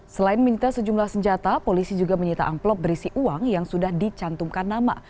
selain menyita sejumlah senjata polisi juga menyita amplop berisi uang yang sudah dicantumkan nama